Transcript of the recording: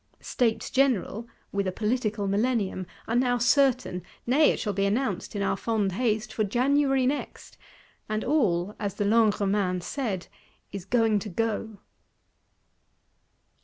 States General (with a Political Millennium) are now certain; nay, it shall be announced, in our fond haste, for January next: and all, as the Langres man said, is "going to go."